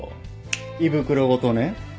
胃袋ごとね。